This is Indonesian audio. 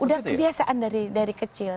udah kebiasaan dari kecil